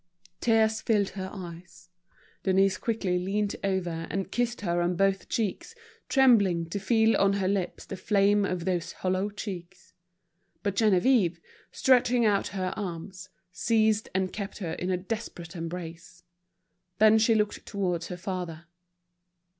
Tears filled her eyes. Denise quickly leant over, and kissed her on both cheeks, trembling to feel on her lips the flame of those hollow cheeks. But Geneviève, stretching out her arms, seized and kept her in a desperate embrace. Then she looked towards her father.